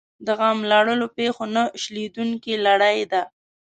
د غم لړلو پېښو نه شلېدونکې لړۍ ده.